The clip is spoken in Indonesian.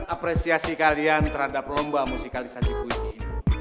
apresiasi kalian terhadap lomba musikalisasi puisi ini